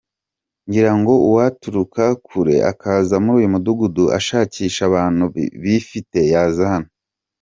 Ngira ngo uwaturuka kure akaza muri uyu mudugudu ashakisha abantu bifite, yaza hano.